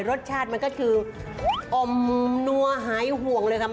รสชาติมันก็คืออมนัวหายห่วงเลยค่ะ